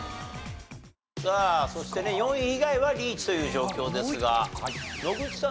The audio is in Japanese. さあそしてね４位以外はリーチという状況ですが野口さん